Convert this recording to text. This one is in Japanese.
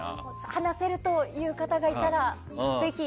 話せるという方がいたらぜひ。